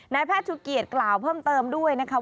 แพทย์ชูเกียจกล่าวเพิ่มเติมด้วยนะคะ